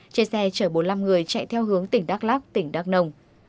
trên xe chở bốn mươi năm người chạy theo hướng tỉnh đắk lắc tỉnh đắk nông